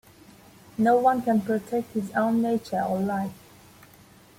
No one can protect his own nature or life.